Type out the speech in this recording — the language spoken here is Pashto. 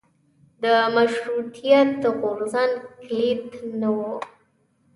د مشروطیت غورځنګ کلیت نه و.